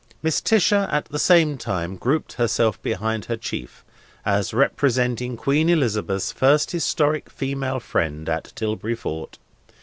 Mrs. Tisher at the same time grouped herself behind her chief, as representing Queen Elizabeth's first historical female friend at Tilbury fort.